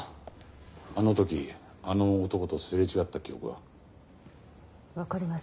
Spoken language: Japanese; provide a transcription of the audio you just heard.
あの時あの男とすれ違った記憶は？わかりません。